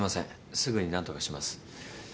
すぐに何とかします。